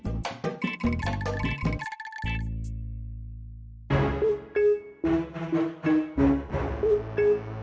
tambahangas juga untuk ulang je allem